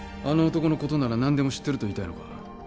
あの男のことなら何でも知ってると言いたいのか？